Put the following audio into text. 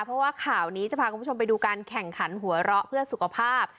เพราะว่าข่าวนี้จะพาคุณผู้ชมไปดูการแข่งขันหัวเราะเพื่อสุขภาพ